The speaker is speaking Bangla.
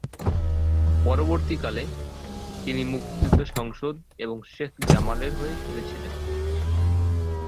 পরবর্তীকালে, তিনি মুক্তিযোদ্ধা সংসদ এবং শেখ জামালের হয়ে খেলেছিলেন।